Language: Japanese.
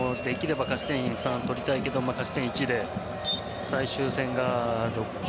できれば勝ち点３取りたいけど勝ち点１で最終戦が。